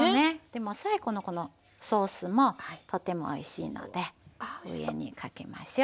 でも最後のこのソースもとてもおいしいので上にかけましょう。